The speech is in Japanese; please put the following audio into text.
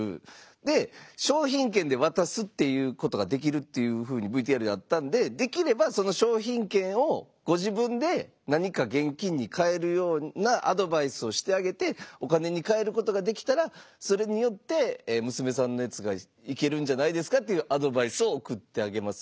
で商品券で渡すっていうことができるっていうふうにＶＴＲであったんでできればその商品券をご自分で何か現金に換えるようなアドバイスをしてあげてお金に換えることができたらそれによって娘さんの熱がいけるんじゃないですかというアドバイスをおくってあげます。